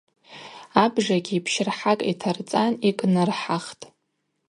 Абжагьи пщырхӏакӏ йтарцӏан йкӏнырхӏахтӏ.